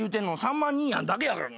ま兄やんだけやからな。